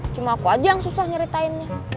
cuma aku aja yang susah nyaritainnya